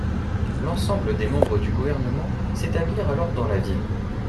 L'ensemble des membres du gouvernement s'établirent alors dans la ville.